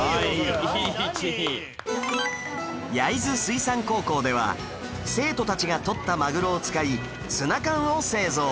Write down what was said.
焼津水産高校では生徒たちがとったマグロを使いツナ缶を製造